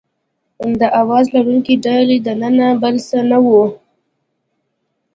د اواز لرونکي ډهل دننه بل څه نه وي.